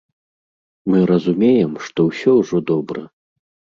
Мы разумеем, што ўсё ўжо добра.